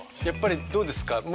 やっぱりどうですか？